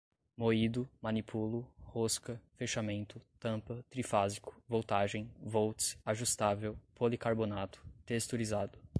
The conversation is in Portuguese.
moído, manipulo, rosca, fechamento, tampa, trifásico, voltagem, volts, ajustável, policarbonato, texturizado